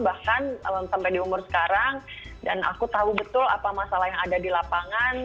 bahkan sampai di umur sekarang dan aku tahu betul apa masalah yang ada di lapangan